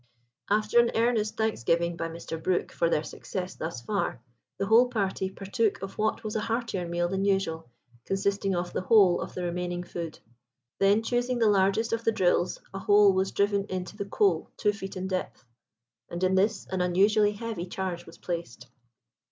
After an earnest thanksgiving by Mr. Brook for their success thus far, the whole party partook of what was a heartier meal than usual, consisting of the whole of the remaining food. Then choosing the largest of the drills, a hole was driven in the coal two feet in depth, and in this an unusually heavy charge was placed.